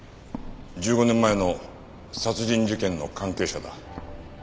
１５年前の殺人事件の関係者だ。